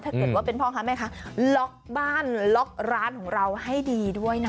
ถ้าเกิดว่าเป็นพ่อค้าแม่ค้าล็อกบ้านล็อกร้านของเราให้ดีด้วยนะ